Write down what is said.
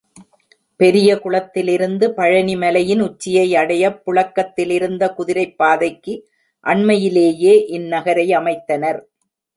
பெரிய குளத்திலிருந்து பழனி மலையின் உச்சியை அடையப் புழக்கத்திலிருந்த குதிரைப் பாதைக்கு அண்மையிலேயே, இந் நகரை அமைத்தனர்.